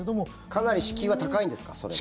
かなり敷居は高いんですか、それは。